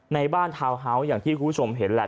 ในบ้านทาวน์เฮาส์อย่างที่คุณผู้ชมเห็นแหละ